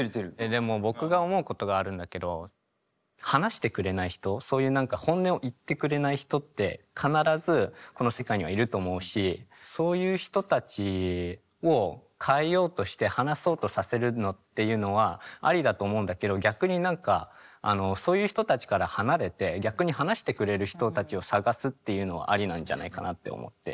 でも僕が思うことがあるんだけど話してくれない人そういう何か本音を言ってくれない人って必ずこの世界にはいると思うしそういう人たちを変えようとして話そうとさせるのっていうのはありだと思うんだけど逆に何かそういう人たちから離れて逆に話してくれる人たちを探すっていうのはありなんじゃないかなって思って。